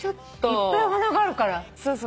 いっぱいお花があるから。